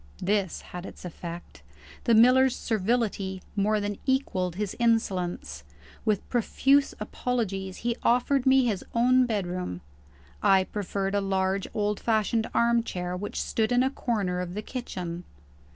This had its effect. The miller's servility more than equalled his insolence. With profuse apologies, he offered me his own bedroom. I preferred a large old fashioned armchair which stood in a corner of the kitchen.